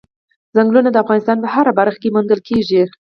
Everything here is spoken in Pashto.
ځنګلونه د افغانستان په هره برخه کې موندل کېږي.